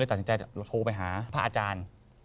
เราติดสินใจโทรเป็นทางอาจารย์